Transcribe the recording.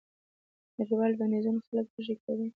نړیوال بندیزونه خلک وږي کوي.